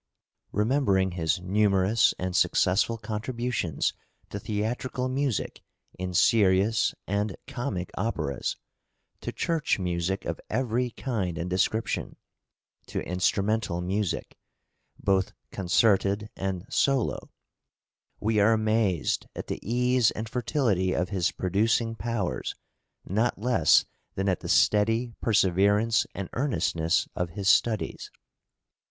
Remembering his numerous and successful contributions to theatrical music in serious and comic operas, to church music of every kind and description, to instrumental music, both concerted and solo, we are amazed at the ease and fertility of his producing powers not less than at the steady perseverance and earnestness of his studies.